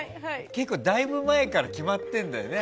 結構、だいぶ前から決まってるんだよね。